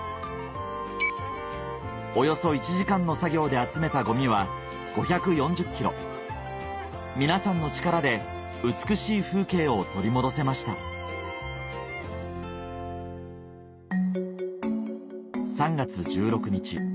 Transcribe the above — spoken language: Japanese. およそ１時間の作業で集めたゴミは皆さんの力で美しい風景を取り戻せました３月１６日